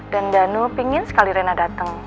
dan danu pingin sekali rena dateng